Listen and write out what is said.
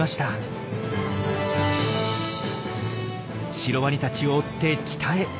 シロワニたちを追って北へ。